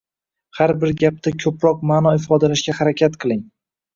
Har bir gapda ko’proq ma’no ifodalashga harakat qiling